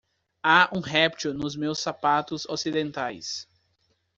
Há um réptil nos meus sapatos ocidentais.